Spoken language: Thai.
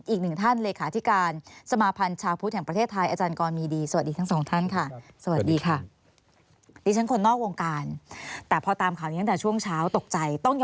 อีกหนึ่งท่านเลขาธิการสมาภัณฑ์ชาวพุทธแห่งประเทศไทย